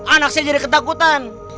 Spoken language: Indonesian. anak saya jadi ketakutan